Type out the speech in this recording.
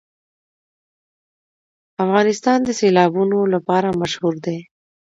افغانستان د سیلابونه لپاره مشهور دی.